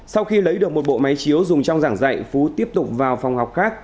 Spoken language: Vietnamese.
sau khi lấy được một bộ máy chiếu dùng trong giảng dạy phú tiếp tục vào phòng học khác